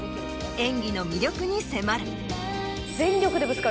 演技の魅力に迫る。